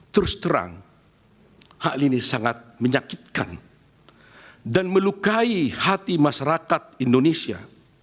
terus terang hal ini sangat menyakitkan dan melukai hati masyarakat indonesia